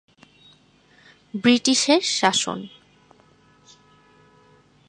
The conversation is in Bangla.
ব্রিটিশের শাসন।